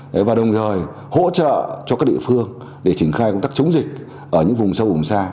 thế và đồng thời hỗ trợ cho các địa phương để triển khai công tác chống dịch ở những vùng sâu vùng xa